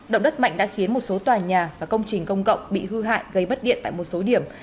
động đất mạnh đã khiến một số tòa nhà và công trình công cộng bị hư hại gây bất điện tại một số điểm